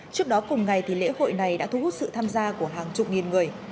trước đó cùng ngày lễ hội này đã thu hút sự tham gia của hàng chục nghìn người